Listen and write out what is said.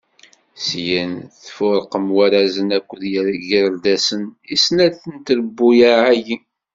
Syin, ttuferqen warrazen akked yigerdasen i snat n trebbuyaɛ-agi.